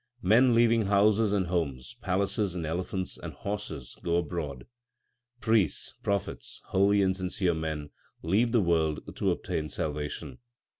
Men leaving houses and homes, palaces, elephants and horses go abroad. Priests, prophets, holy and sincere men leave the world to obtain salvation.